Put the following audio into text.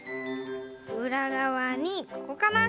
うらがわにここかな？